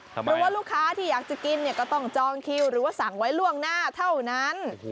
เพราะว่าลูกค้าที่อยากจะกินก็ต้องจองคิวหรือว่าสั่งไว้ล่วงหน้าเท่านั้น